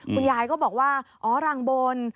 คุณยายก็บอกว่าหลังบ่น